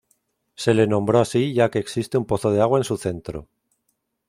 Se le nombró así ya que existe un pozo de agua en su centro.